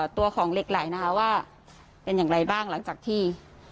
ตัวของเหล็กไหลนะคะว่าเป็นอย่างไรบ้างหลังจากที่